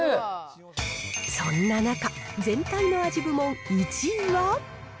そんな中、全体の味部門１位は？